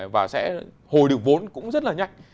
và sẽ hồi được vốn cũng rất là nhanh